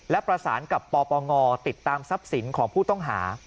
และประสานกับปปงติดตามทรัพย์สินของผู้ต้องหา